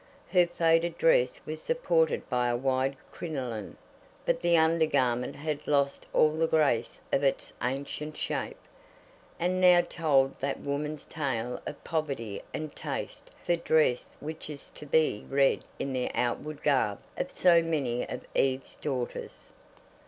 Her faded dress was supported by a wide crinoline, but the under garment had lost all the grace of its ancient shape, and now told that woman's tale of poverty and taste for dress which is to be read in the outward garb of so many of Eve's daughters.